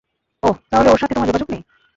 ওহ, তাহলে ওর সাথে তোমার যোগাযোগ নেই?